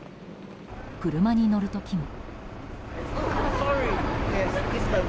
車に乗る時も。